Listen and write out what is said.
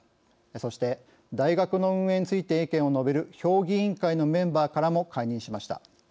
そして大学の運営について意見を述べる評議員会のメンバーからも解任しました。